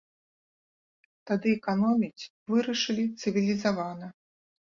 Тады эканоміць вырашылі цывілізавана.